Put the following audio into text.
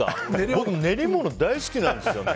練り物大好きなんですよね